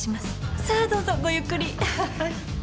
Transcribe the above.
さあどうぞごゆっくり。